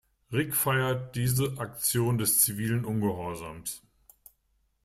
Rick feiert diese Aktion des zivilen Ungehorsams.